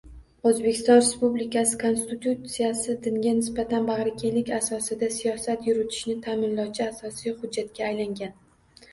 Oʻzbekiston Respublikasi Konstitutsiyasi dinga nisbatan bagʻrikenglik asosida siyosat yuritilishini taʼminlovchi asosiy hujjatga aylangan.